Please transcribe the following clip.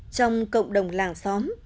trong cộng đồng làng xóm